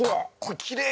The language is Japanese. きれい。